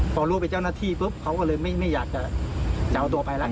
พอรู้เป็นเจ้าหน้าที่ปุ๊บเขาก็เลยไม่อยากจะเอาตัวไปแล้ว